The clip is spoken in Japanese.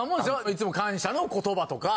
いつも感謝の言葉とか。